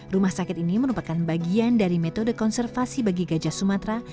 rumah sakit ini merupakan bagian dari metode konservasi bagi gajah sumatera